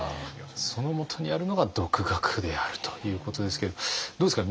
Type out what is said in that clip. そのもとにあるのが独学であるということですけれどもどうですか？